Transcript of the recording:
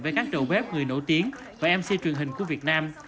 với các đầu bếp người nổi tiếng và mc truyền hình của việt nam